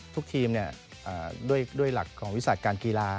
ทุกทีมหลักของวิสัจการกีฬา